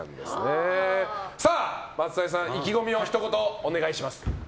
松谷さん、意気込みをひと言お願いします。